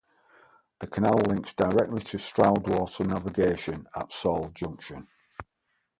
The canal links directly to the Stroudwater Navigation at Saul Junction.